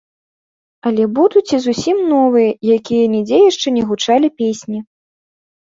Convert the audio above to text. Але будуць і зусім новыя, якія нідзе яшчэ не гучалі песні.